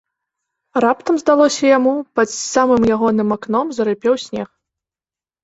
Раптам, здалося яму, пад самым ягоным акном зарыпеў снег.